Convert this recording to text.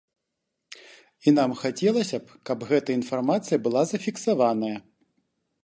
І нам хацелася б, каб гэтая інфармацыя была зафіксаваная.